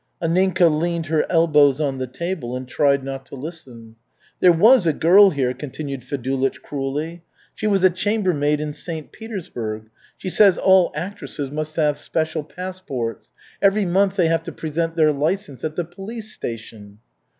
Anninka leaned her elbows on the table and tried not to listen. "There was a girl here," continued Fedulych cruelly. "She was a chambermaid in St. Petersburg. She says all actresses must have special passports. Every month they have to present their license at the police station."